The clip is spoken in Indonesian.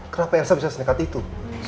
kenapa elsa bisa sedekat itu